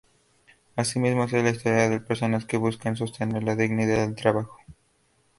Asimismo, es la historia de personas que buscan sostener la dignidad del trabajo.